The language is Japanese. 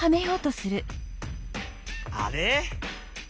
あれ？